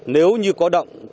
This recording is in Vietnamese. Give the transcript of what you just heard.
nếu như có đậm thi